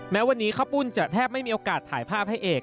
แม้วันนี้ข้าวปุ้นจะแทบไม่มีโอกาสถ่ายภาพให้เอก